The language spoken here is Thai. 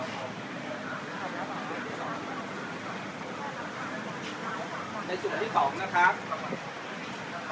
สวัสดีครับ